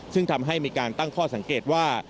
ซึ่งทำให้มีการตั้งข้อสังเกตว่า